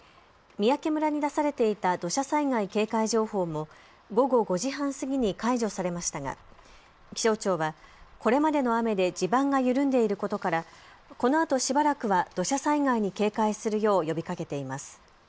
三宅村に出されていた土砂災害警戒情報も午後５時半過ぎに解除されましたが気象庁はこれまでの雨で地盤が緩んでいることから、このあとしばらくは土砂災害に警戒するよう呼びかけています。